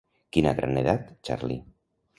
Quina gran edat, Charlie!